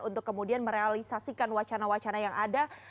untuk kemudian merealisasikan wacana wacana yang ada